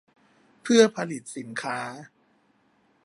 เพื่อผลิตสินค้า